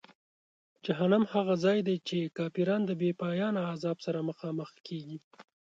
جهنم هغه ځای دی چې کافران د بېپایانه عذاب سره مخامخ کیږي.